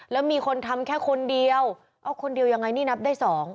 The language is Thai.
แล้วมีคนทำแค่คนเดียวเอ้าคนเดียวยังไงนี่นับได้๒